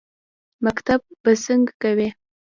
_مکتب به څنګه کوې؟